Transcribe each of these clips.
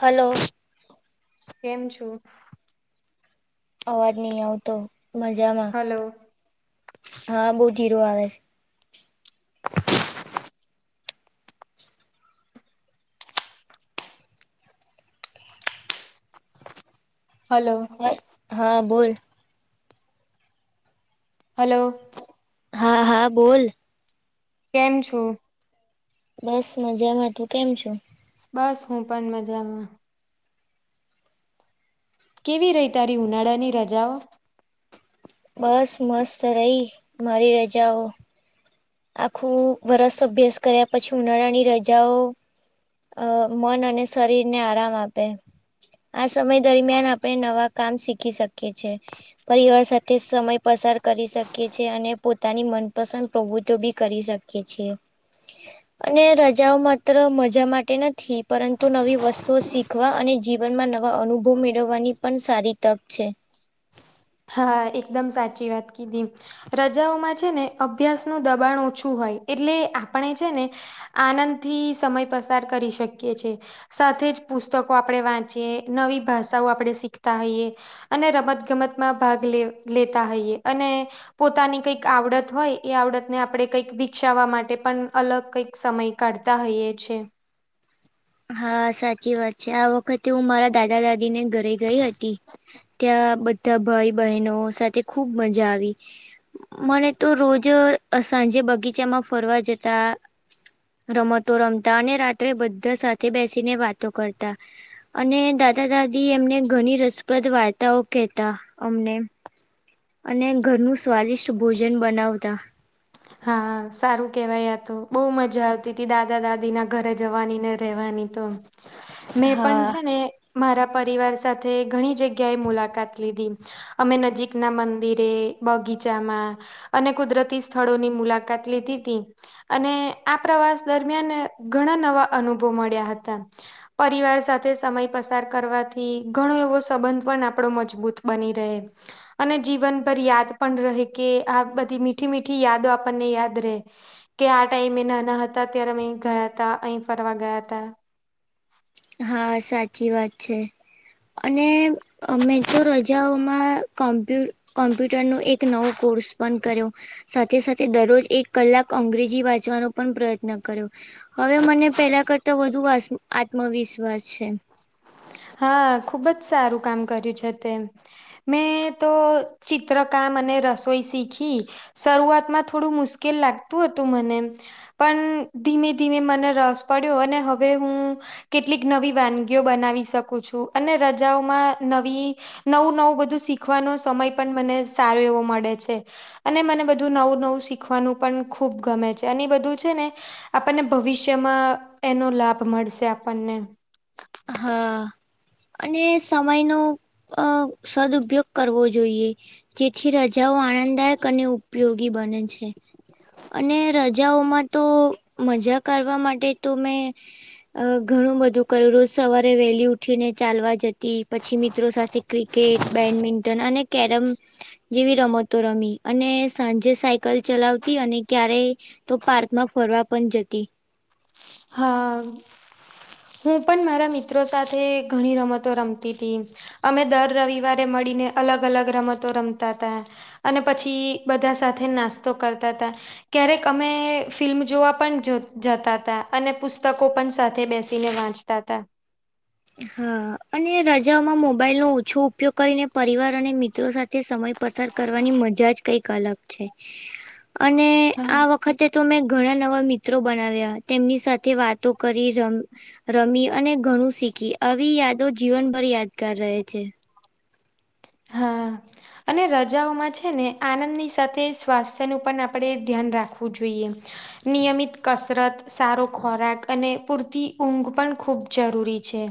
Hello. કેમ છો. અવાજ નહી આવતો મજામાં હલો હા બહુ ધીરો આવે છે. હલો. હ હા બોલ. હલો. હા હા બોલ. કેમ છો? બસ મજામાં તું કેમ છે. બસ હું પણ મજામાં. કેવી રહી તારી ઉનાળાની રજાઓ? બસ મસ્ત રહી મારી રજાઓ. આખું વર્ષ અભ્યાસ કર્યા પછી ઉનાળાની રજાઓ અ મન અને શરીર ને આરામ આપે. આ સમય દરમિયાન આપણે નવા કામ શીખી શકીએ છે. પરિવાર સાથે સમય પસાર કરી શકે છે અને પોતાની મનપસંદ પ્રવૃતિ તો બી કરી શકીએ છીએ. અને રજાઓ માત્ર મજા માટે નથી પરંતુ નવી વસ્તુઓ શીખવા અને જીવ જીવનમાં નવા અનુભવ મેળવવાની પણ સારી તક છે. હા એકદમ સાચી વાત કીધી. રજાઓમાં છે ને અભ્યાસ નું દબાણ ઓછું હોય એટલે આપણે છે ને આનંદ થી સમય પસાર કરી શકીએ છે. સાથે જ પુસ્તકો આપણે વાંચીએ, નવી ભાષાઓ આપણે શીખતા હોઈએ. અને રમત ગમત માં ભાગ લે લેતા હોઈએ અને પોતાની કઈક આવડત હોય એ આવડતને આપણે કંઈક વિકસાવવા માટે પણ અલગ કઈક સમય કાઢતા હોઈએ છે. હા સાચી વાત છે. આ વખતે હું મારા દાદા દાદી ને ઘર ઘરે ગઈ હતી ત્યાં બધા ભાઈ બહેનો સાથે ખુબ મજા આવી. મને તો રોજ અ સાંજે બગીચામાં ફરવા જતા રમતો રમતા અને રાત્રે બધા સાથે બેસીને વાતો કરતા. અને દાદા દાદી એમને ઘણી રસપ્રદ વાર્તાઓ કહેતા અમને. અને ઘરનું સ્વાદિષ્ટ ભોજન બનાવતા. હા સારું કેહેવાય આતો બો મજા આવતી હતી દાદા દાદી ના ઘરે જવાની ને રહેવાની તો. મેં પણ હા છે ને મારા પરિવાર સાથે ઘણી જગ્યા એ મુલાકાત લીધી. અમે નજીક ના મંદિરે, બગીચામાં અને કુદરતી સ્થળોની મુલાકાત લીધી તી. અને આ પ્રવાસ દરમિયાન ઘણા નવા અનુભવ મળ્યા હતા. પરિવાર સાથે સમય પસાર કરવાથી ઘણો એવો સંબંધ પણ આપણો મજબૂત બની રહે. અને જીવનભર યાદ પણ રહે કે આ બધી મીઠી મીઠી યાદો આપણને યાદ રહે. કે આ ટાઈમ એ નાના હતા ત્યારે અમે ગયા તા અહી ફરવા ગયા હતા. હા સાચી વાત છે અને મેં તો રજાઓમાં કોમ્પ્યુ કોમ્પ્યુટરનો એક નવો કોર્સ પણ કર્યો. સાથે સાથે દરરોજ એક કલાક અંગ્રેજી વાંચવાનો પણ પ્રયત્ન કર્યો. હવે મને પેલા કરતા વધુ આસ આત્મવિશ્વાસ છે. હા ખુબ જ સારું કામ કર્યું છે તે. મેં તો ચિત્રકામ અને રસોઈ શીખી. શરૂઆતમાં થોડું મુશ્કેલ લાગતું હતું મને પણ ધીમે ધીમે મને રસ પડ્યો અને હવે હું કેટલીક નવી વાનગીઓ બનાવી શકું છું અને રજાઓમાં નવી નવું નવું બધું શીખવાનો સમય પણ મને સારો એવો મળે છે. અને મને બધું નવું નવું શીખવાનું પણ ખૂબ ગમે છે અને બધું છે ને આપણને ભવિષ્યમાં એનો લાભ મળશે આપણને હા. અને સમયનો અહ સદઉપયોગ કરવો જોઈએ. જેથી રજાઓ આનંદદાયક અને ઉપયોગી બને છે. અને રજાઓમાં તો મજા કરવા માટે તો મેં અહ ઘણું બધું કયરુંસ. સવારે વહેલી ઉઠીને ચાલવા જતી, પછી મિત્રો સાથે ક્રિકેટ, બેડમિન્ટન અને કેરમ જેવી રમતો રમી. અને સાંજે સાયકલ ચલાવતી અને ક્યારેય તો પાર્કમાં ફરવા પણ જતી. હા. હું પણ મારા મિત્રો સાથે ઘણી રમતો રમતી તી. અમે દર રવિવારે મળીને અલગ-અલગ રમતો રમતા તા. અને પછી બધા સાથે નાસ્તો કરતા તા. ક્યારેક અમે ફિલ્મ જોવા પણ જ જતા તા. અને પુસ્તકો પણ સાથે બેસીને વાંચતા તા. હા. અને રજામાં મોબાઈલ નો ઓછો ઉપયોગ કરીને પરિવાર અને મિત્રો સાથે સમય પસાર કરવાની મજા જ કંઈક અલગ છે. અને હા. આ વખતે તો મેં ઘણા નવા મિત્રો બનાવ્યા, તેમની સાથે વાતો કરી, રમ રમી અને ઘણું શીખી. આવી યાદો જીવનભર યાદગાર રહે છે. હા. અને રજાઓમાં છે ને આનંદની સાથે સ્વાસ્થ્યનું પણ આપણે ધ્યાન રાખવું જોઈએ. નિયમિત કસરત, સારો ખોરાક, અને પૂરતી ઊંઘ પણ ખૂબ જરૂરી છે.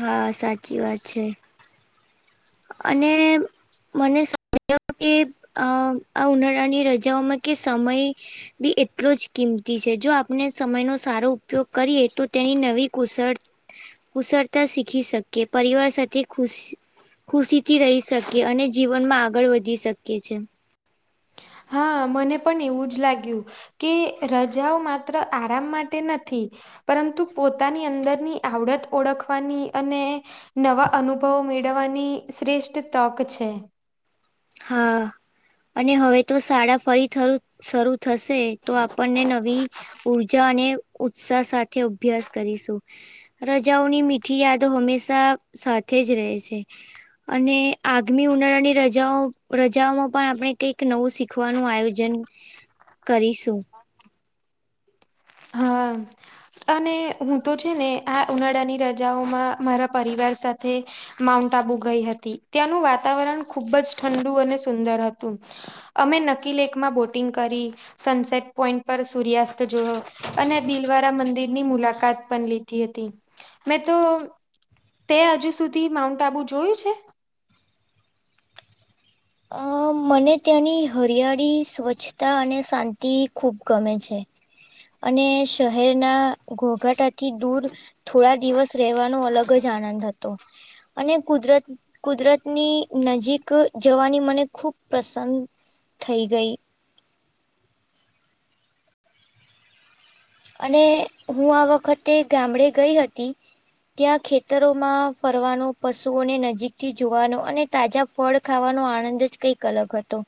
હા સાચી વાત છે. અને મને [inaudible] કે અહ આ ઉનાળાની રજાઓમાં કે સમય બી એટલો જ કિંમતી છે. જો આપને સમયનો સારો ઉપયોગ કરીએ તો તેની નવી કુશળ કુશળતા શીખી શકે, પરિવાર સાથે ખુશ ખુશી થી રહી શકીએ, અને જીવનમાં આગળ વધી શકીએ છે. હા મને પણ એવું જ લાગ્યું. કે રજાઓ માત્ર આરામ માટે નથી પરંતુ પોતાની અંદરની આવડત ઓળખવાની અને નવા અનુભવો મેળવવાની શ્રેષ્ઠ તક છે. હા. અને હવે તો શાળા ફરી થરું શરૂ થશે તો આપણને નવી ઉર્જા અને ઉત્સાહ સાથે અભ્યાસ કરીશું. રજાઓની મીઠી યાદો હંમેશા સાથે જ રહે છે. અને આગમી ઉનાળાની રજાઓ રજાઓમાં પણ આપણે કંઈક નવું શીખવાનું આયોજન કરીશું. હા. અને હું તો છે ને આ ઉનાળાની રજાઓમાં મારા પરિવાર સાથે માઉન્ટ આબુ ગઈ હતી. ત્યાંનું વાતાવરણ ખુબ જ ઠંડુ અને સુંદર હતું. અમે નકીલેકમાં બોટિંગ કરી, સનસેટ પોઈન્ટ પર સૂર્યાસ્ત જોયો અને દિલવારા મંદિરની મુલાકાત પણ લીધી હતી. મેં તો તે હજુ સુધી માઉન્ટ આબુ જોયું છે? અ મને ત્યાંની હરિયાળી સ્વચ્છ તા અને શાંતિ ખૂબ ગમે છે. અને શહેરના ઘોઘાટાથી દૂર થોડા દિવસ રહેવાનો અલગ જ આનંદ હત તો. અને કુદરત કુદરતની નજીક જવાની મને ખુબ પ્રસન્ન થઈ ગઈ. અને હું આ વખતે ગામડે ગઈ હતી. ત્યાં ખેતરોમાં ફરવાનું, પશુઓને નજીકથી જોવાનો, અને તાજા ફળ ખાવાનો આનંદ જ કંઈક અલગ હતો.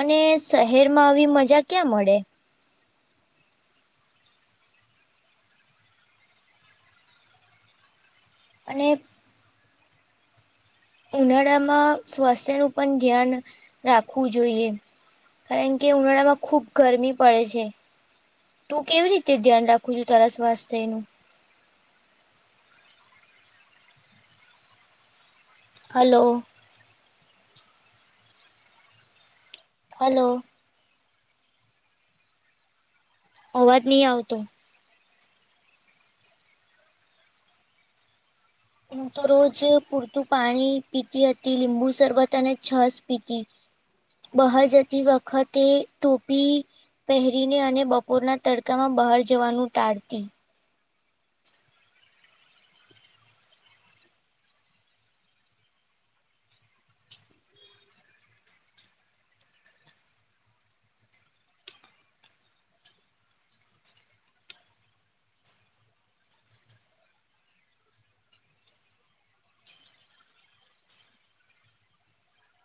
અને શહેરમાં આવી મજા ક્યાં મળે? અને ઉનાળામાં સ્વાસ્થ્ય નું પણ ધ્યાન રાખવું જોઈએ. કારણ કે ઉનાળામાં ખુબ ગરમી પડે છે. તું કેવી રીતે ધ્યાન રાખું છું તારા સ્વાસ્થ્યનું? હલો. હલો. અવાજ નય આવતો. હું તો રોજે પૂરતું પાણી પીતી હતી, લીંબુ શરબત અને છાસ પીતી. બહાર જતી વખતે ટોપી પહેરીને અને બપોરના તડકામાં બહાર જવાનું ટાળતી.